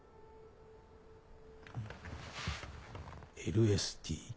ＬＳＴ？